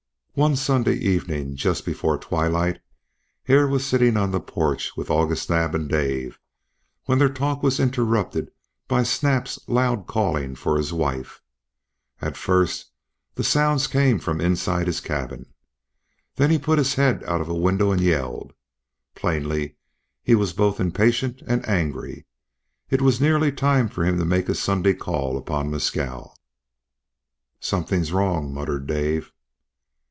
One Sunday evening just before twilight Hare was sitting on the porch with August Naab and Dave, when their talk was interrupted by Snap's loud calling for his wife. At first the sounds came from inside his cabin. Then he put his head out of a window and yelled. Plainly he was both impatient and angry. It was nearly time for him to make his Sunday call upon Mescal. "Something's wrong," muttered Dave.